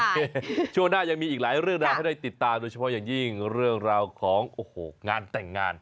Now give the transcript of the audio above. ช่วงหน้ายังมีอีกหลายเรื่องราวให้ได้ติดตามโดยเฉพาะอย่างยิ่งเรื่องราวของโอ้โหงานแต่งงาน